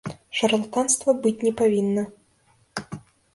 Шарлатанства быць не павінна.